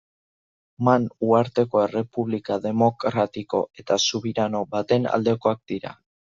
Man uharteko errepublika demokratiko eta subirano baten aldekoak dira.